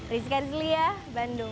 rizka rizliyah bandung